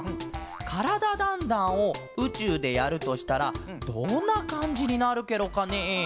「からだ☆ダンダン」をうちゅうでやるとしたらどんなかんじになるケロかねえ？